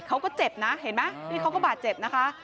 เขาก็เจ็บนะเห็นไหมนี่เขาก็บาดเจ็บนะคะ